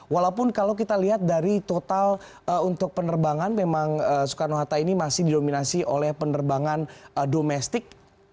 walaupun kalau kita lihat dari total untuk penerbangan memang soekarno hatta ini masih didominasi oleh penerbangan domestik